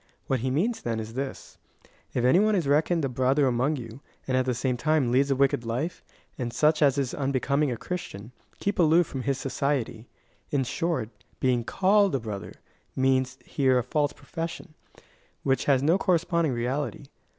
What he means, then, is this :" If any one is reckoned a brother among you, and at the same time leads a wicked life, and such as is unbecoming a Christian, keep aloof from his society." In short, being called a brother, means here a false profession, which has no corresponding reality.